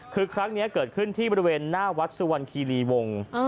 คือครั้งนี้เกิดขึ้นที่บริเวณหน้าวัดสุวรรณคีรีวงศ์